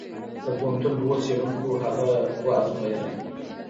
د پوهنتون دوو څېړونکو هغه وزمویله.